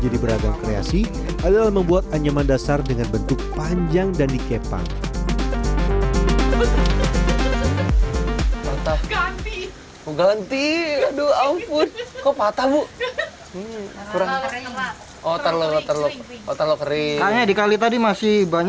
jadi kalau kering itu yang paling mudah